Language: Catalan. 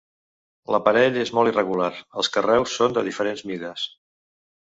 L'aparell és molt irregular; els carreus són de diferents mides.